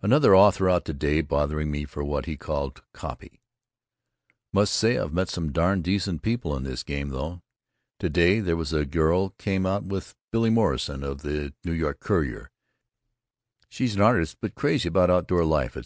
Another author out to day bothering me for what he called "copy." Must say I've met some darn decent people in this game though. To day there was a girl came out with Billy Morrison of the N. Y. Courier, she is an artist but crazy about outdoor life, etc.